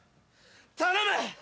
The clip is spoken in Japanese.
頼む！